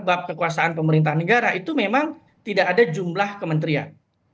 sebab kekuasaan pemerintah negara itu memang tidak ada jumlah kementerian